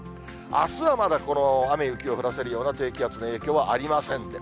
あすはまだ雨、雪を降らせるような低気圧の影響はありません